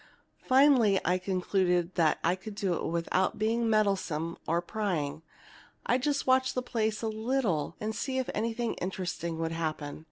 Finally, I concluded, that if I could do it without being meddlesome or prying, I'd just watch the place a little and see if anything interesting would happen.